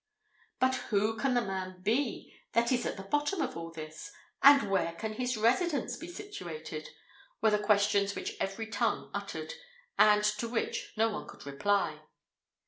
"But who can the man be that is at the bottom of all this? and where can his residence be situated?" were the questions which every tongue uttered, and to which no one could reply.